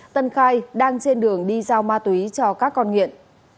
tân khai đang trên đường đi giao ma túy cho các con nghiện